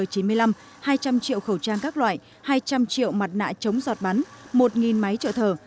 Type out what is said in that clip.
hai trăm linh triệu khẩu trang các loại hai trăm linh triệu mặt nạ chống giọt bắn một máy trợ thở